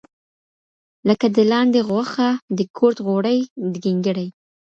لکه د لاندې غوښه، د کورت غوړي، ګینګړي.